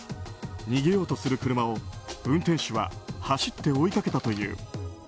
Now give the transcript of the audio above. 逃げようとする車を運転手は走って追いかけたという。